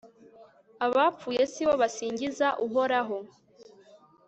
abapfuye si bo basingiza uhoraho